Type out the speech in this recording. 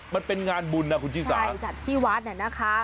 มันเป็นงานบุญนะคุณชิสาใช่จัดที่วัดน่ะนะคะ